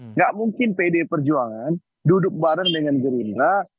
nggak mungkin pdi perjuangan duduk bareng dengan gerindra